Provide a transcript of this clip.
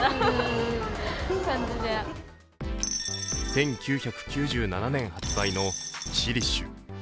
１９９７年発売のキシリッシュ。